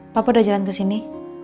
papa udah jalan kesini